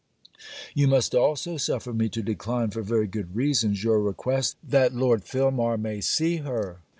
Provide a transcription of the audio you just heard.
You must also suffer me to decline, for very good reasons, your request that Lord Filmar may see her.